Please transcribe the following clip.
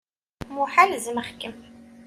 Muḥal zzmeɣ-kem.